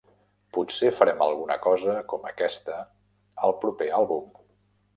Potser farem alguna cosa com aquesta al proper àlbum.